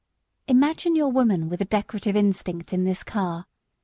Imagine your woman with a decorative instinct in this car.